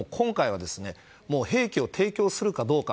でも今回は兵器を提供するかどうか。